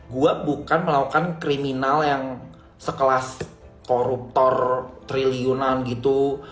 gue bukan melakukan kriminal yang sekelas koruptor triliunan gitu